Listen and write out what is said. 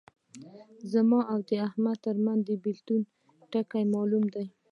زما او د احمد ترمنځ د بېلتون ټکی معلوم دی.